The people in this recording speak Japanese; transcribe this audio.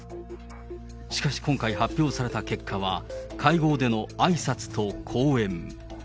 しかし、今回発表された結果は、会合でのあいさつと講演。